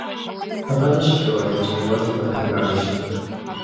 هغه نشي کولی چې یوازې بهر لاړه شي.